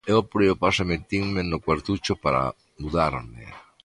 Eu apurei o paso e metinme no cuartucho para mudarme;